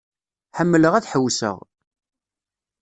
Ḥemmleɣ ad ḥewseɣ.